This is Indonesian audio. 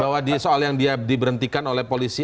bahwa soal yang dia diberhentikan oleh polisi